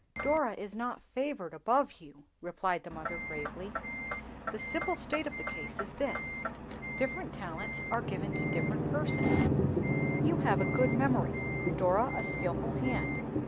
"Dora is not favored above you," replied the mother, gravely. "The simple state of the case is this—different talents are given to different persons. You have a good memory, Dora a skilful hand.